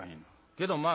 けどまあ